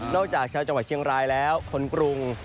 จากชาวจังหวัดเชียงรายแล้วคนกรุง